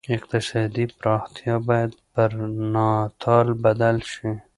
اقتصادي پراختیا باید پر ناتال بدل شي.